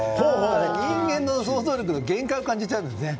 人間の想像力の限界を感じちゃうんですね。